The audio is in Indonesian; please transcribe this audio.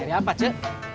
jadi apa ce